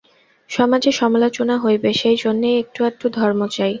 সমাজে সমালোচনা হইবে, সেই জন্যই একটু-আধটু ধর্ম চাই।